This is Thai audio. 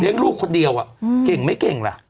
ลูกคนเดียวอ่ะเก่งไม่เก่งล่ะ